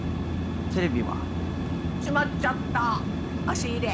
テレビは？しまっちゃった押し入れ。